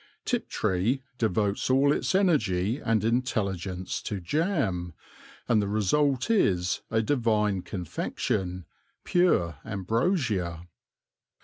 Tiptree devotes all its energy and intelligence to jam, and the result is a divine confection, pure ambrosia.